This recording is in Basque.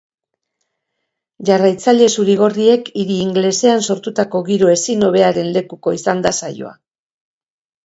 Jarraitzaile zuri-gorriek hiri ingelesean sortutako giro ezin hobearen lekuko izan da saioa.